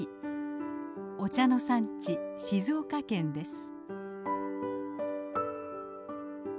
お茶の産地静岡県です。